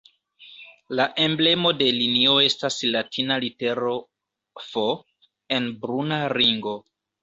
La emblemo de linio estas latina litero "F" en bruna ringo.